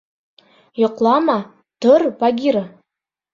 Йоҡлама, тор, Багира.